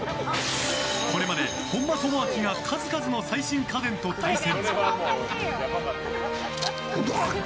これまで本間朋晃が数々の最新家電と対戦。